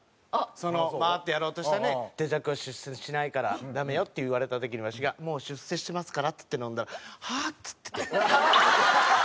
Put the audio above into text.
そのバーッてやろうとしてね「手酌は出世しないからダメよ」って言われた時にわしが「もう出世してますから」っつって飲んだら「はあ！」っつってて。